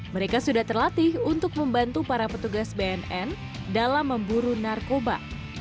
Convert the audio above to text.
mereka sudah terlatih untuk membantu para petugas bnn dalam memburu narkoba